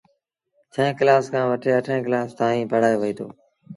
ڇهين ڪلآس کآݩ وٽي اٺيݩ ڪلآس تائيٚݩ پڙهآيو وهيٚتو۔